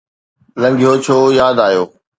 لنگهيو ڇو ياد آيو؟